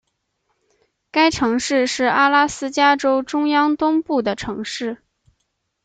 该城市是阿拉斯加州中央东部的城市。